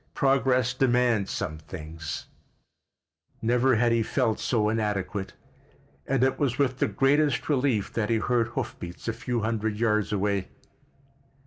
Progress demands some things——" Never had he felt so inadequate, and it was with the greatest relief that he heard hoof beats a few hundred yards away.